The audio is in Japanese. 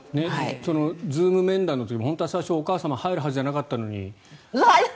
Ｚｏｏｍ面談の時も最初はお母さまは入るはずじゃなかったのに。